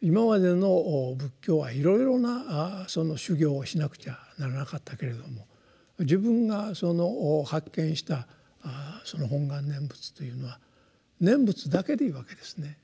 今までの仏教はいろいろなその修行をしなくちゃならなかったけれども自分が発見したその本願念仏というのは念仏だけでいいわけですね。